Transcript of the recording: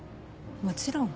もちろん。